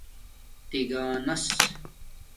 تگانس